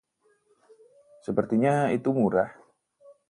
Sepertinya itu murah.